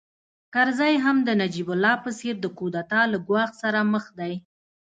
کرزی هم د نجیب الله په څېر د کودتا له ګواښ سره مخ دی